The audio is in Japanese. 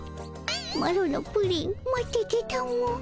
マロのプリン待っててたも。